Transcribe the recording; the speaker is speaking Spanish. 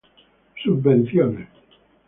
Subvenciones